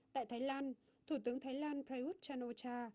tại thái lan thủ tướng thái lan prayuth chan o cha